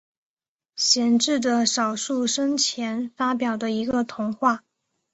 贤治的少数生前发表的一个童话。